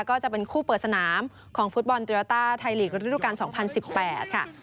ก็จะเป็นคู่เปิดสนามของฟุตบอลตูยาต้าไทยลีกส์ฤดูการสองพันสิบแปดค่ะ